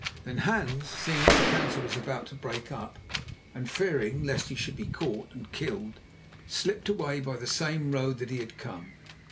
Then Hans, seeing that the council was about to break up, and fearing lest he should be caught and killed, slipped away by the same road that he had come.